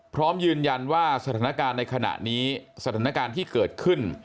พร้อมยืนยันว่าสถานการณ์ในขณะนี้สถานการณ์ที่เกิดขึ้น